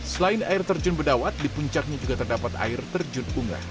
selain air terjun bedawat di puncaknya juga terdapat air terjun ungah